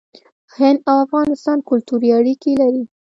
هند او افغانستان کلتوري اړیکې لري.